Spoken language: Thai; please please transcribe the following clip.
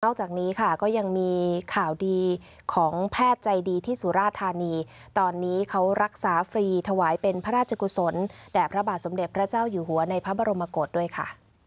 จากนี้ค่ะก็ยังมีข่าวดีของแพทย์ใจดีที่สุราธานีตอนนี้เขารักษาฟรีถวายเป็นพระราชกุศลแด่พระบาทสมเด็จพระเจ้าอยู่หัวในพระบรมกฏด้วยค่ะ